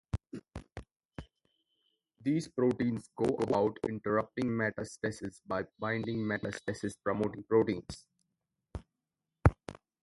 These proteins go about interrupting metastasis by binding metastasis-promoting proteins.